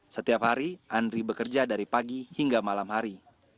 setiap hari andri bekerja dari pagi hingga malam hari